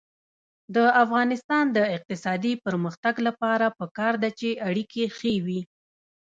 د افغانستان د اقتصادي پرمختګ لپاره پکار ده چې اړیکې ښې وي.